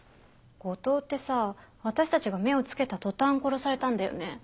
後藤ってさ私たちが目をつけた途端殺されたんだよね？